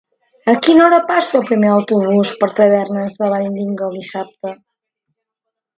A quina hora passa el primer autobús per Tavernes de la Valldigna dissabte?